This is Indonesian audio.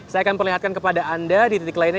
saya akan perlihatkan kepada anda di titik lainnya